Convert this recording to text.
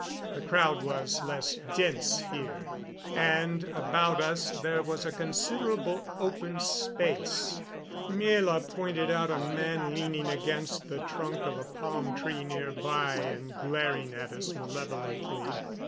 The crowd was less dense here, and about us there was a considerable open space, Miela pointed out a man leaning against the trunk of a palm tree near by and glaring at us malevolently.